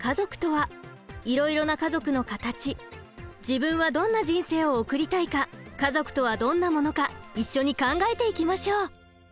自分はどんな人生を送りたいか家族とはどんなものか一緒に考えていきましょう。